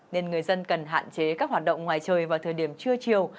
nên người dân cần hạn chế các hoạt động ngoài trời vào thời điểm trưa chiều